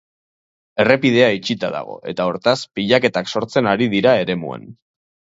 Errepidea itxita dago eta, hortaz, pilaketak sortzen ari dira eremuan.